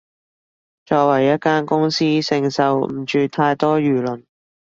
作為一間公司，承受唔住太多輿論